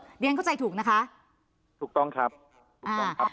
เรียนเข้าใจถูกนะคะถูกต้องครับถูกต้องครับ